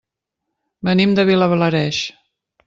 Venim de Vilablareix.